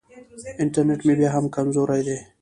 انټرنېټ مې بیا هم کمزوری دی.